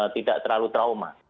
tidak terlalu trauma